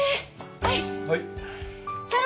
はい。